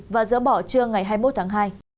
và dỡ bỏ trưa ngày hai mươi một tháng hai